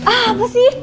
ah apa sih